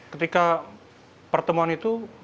ketika pertemuan itu